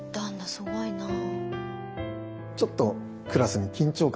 すごいなあ。